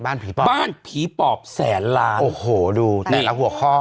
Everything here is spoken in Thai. ผีบ้านผีปอบแสนล้านโอ้โหดูแต่ละหัวข้อ